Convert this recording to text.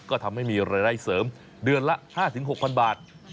ก็ทำให้มีรายได้เสริมเดือนละ๕๖๐๐บาท